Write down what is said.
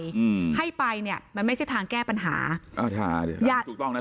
อืมให้ไปเนี้ยมันไม่ใช่ทางแก้ปัญหาอ๋อใช่ค่ะถูกต้องนะ